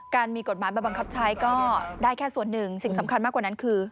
มีกฎหมายมาบังคับใช้ก็ได้แค่ส่วนหนึ่งสิ่งสำคัญมากกว่านั้นคือ